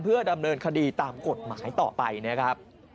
ดำเนินคดีตามกฎหมายต่อไปนะครับ